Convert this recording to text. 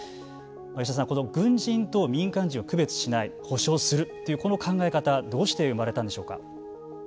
吉田さん、この軍人と民間人を区別しない補償するというこの考え方どうして生まれたんでしょうか。